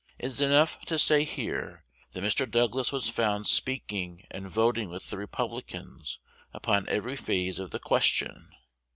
It is enough to say here, that Mr. Douglas was found speaking and voting with the Republicans upon every phase of the question.